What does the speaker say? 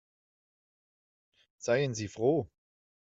Seien Sie froh.